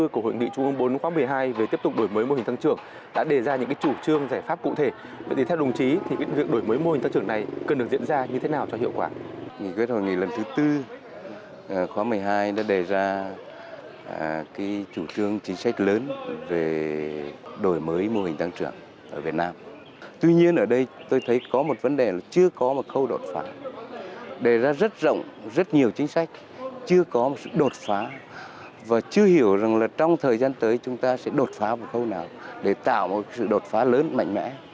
chưa có một khâu đột phá đề ra rất rộng rất nhiều chính sách chưa có một sự đột phá và chưa hiểu rằng trong thời gian tới chúng ta sẽ đột phá một khâu nào để tạo một sự đột phá lớn mạnh mẽ